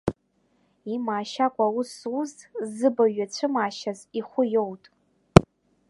Имаашьакәа аус зуз, зыбаҩ иацәымаашьаз, ихәы иоут.